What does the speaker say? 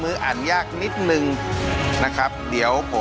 รู้สึกว่าคุณมันราชในกำบัดนี้